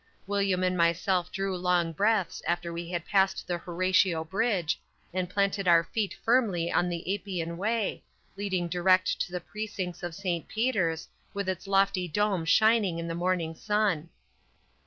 William and myself drew long breaths after we had passed the Horatio Bridge, and planted our feet firmly on the Appian Way, leading direct to the precincts of Saint Peter's, with its lofty dome shining in the morning sun.